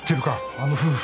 あの夫婦